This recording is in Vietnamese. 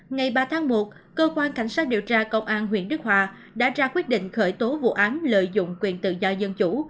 ngày ba tháng một cơ quan cảnh sát điều tra công an huyện đức hòa đã ra quyết định khởi tố vụ án lợi dụng quyền tự do dân chủ